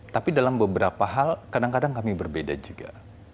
tapi dalam beberapa hal kadang kadang kami berbeda juga